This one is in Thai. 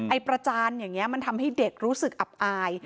ประจานอย่างนี้มันทำให้เด็กรู้สึกอับอาย